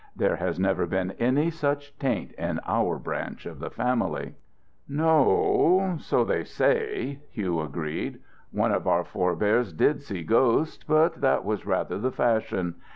There has never been any such taint in our branch of the family." "No o, so they say," Hugh agreed. "One of our forebears did see ghosts, but that was rather the fashion.